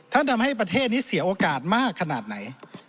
ทำให้ประเทศนี้เสียโอกาสมากขนาดไหน